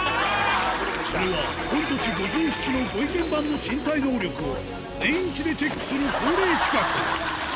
それは御年５７のご意見番の身体能力を年１でチェックする恒例企画